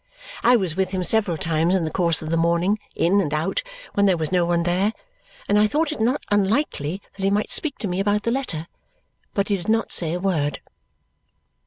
I was with him several times in the course of the morning, in and out, when there was no one there, and I thought it not unlikely that he might speak to me about the letter, but he did not say a word.